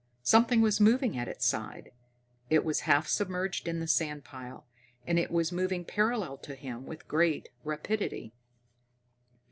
Something was moving at his side. It was half submerged in the sand pile, and it was moving parallel to him with great rapidity.